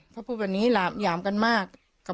เขาพูดแบบนี้ยามกันมาก